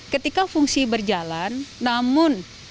ketika fungsi berjalan namun